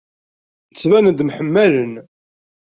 Ttbanen-d mḥemmalen.